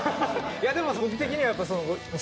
でも僕的には。